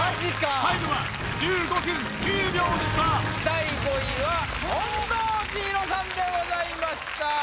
タイムは１５分９秒でした第５位は近藤千尋さんでございました